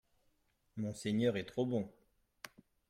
Monseigneur est trop bon